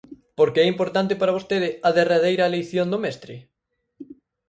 Por que é importante para vostede "A derradeira leición do mestre"?